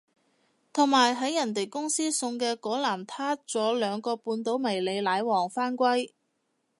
同埋喺人哋公司送嘅嗰籃撻咗兩個半島迷你奶黃返歸